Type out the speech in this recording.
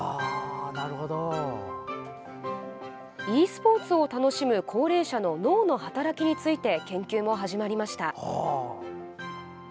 ｅスポーツを楽しむ高齢者の脳の働きについて研究も始まりました。